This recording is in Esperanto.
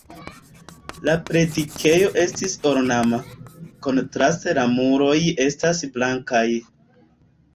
La predikejo estis ornama, kontraste la muroj estas blankaj.